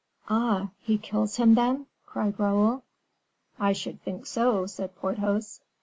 "Ah! he kills him, then?" cried Raoul. "I should think so," said Porthos.